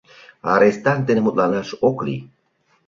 Арестант дене мутланаш ок лий!